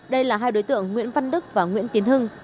đây là hai đối tượng nguyễn văn đức và nguyễn tiến hưng